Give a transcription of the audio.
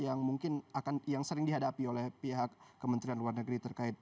yang mungkin akan yang sering dihadapi oleh pihak kementerian luar negeri terkait